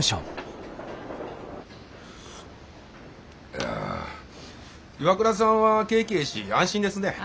いやＩＷＡＫＵＲＡさんは景気ええし安心ですね。